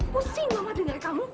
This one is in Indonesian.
pusing mama dengar kamu